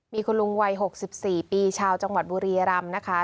มีคุณลุงวัยหกสิบสี่ปีชาวจังหวัดบุรีรัมพ์นะคะ